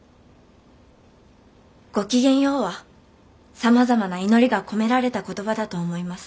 「ごきげんよう」はさまざまな祈りが込められた言葉だと思います。